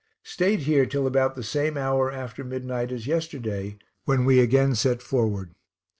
Stayed here till about the same hour after midnight as yesterday, when we again set forward.